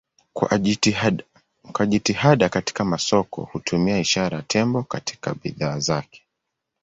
Kwa jitihada katika masoko hutumia ishara ya tembo katika bidhaa zake.